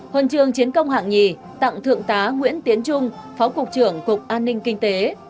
huân trường chiến công hạng nhì tặng thượng tá nguyễn tiến trung phó cục trưởng cục an ninh kinh tế